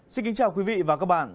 xin kính chào quý vị và các bạn